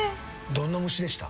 どんな虫でした？